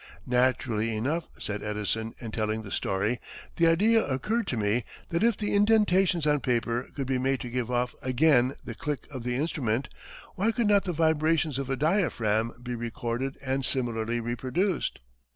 "Naturally enough," said Edison, in telling the story, "the idea occurred to me that if the indentations on paper could be made to give off again the click of the instrument, why could not the vibrations of a diaphragm be recorded and similarly reproduced?